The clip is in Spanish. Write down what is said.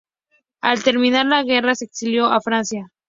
Al terminar la Guerra se exilió a Francia.